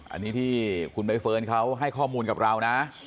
อันนี้ที่คุณใบเฟิร์นเขาให้ข้อมูลกับเรานะ